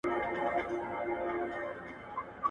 مشاهده او تجربه څه ارزښت لري؟